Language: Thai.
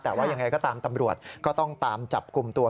แต่ว่ายังไงก็ตามตำรวจก็ต้องตามจับกลุ่มตัว